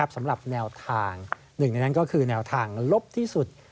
สำหรับแนวทางหนึ่งในนั้นก็คือแนวทางลบที่สุด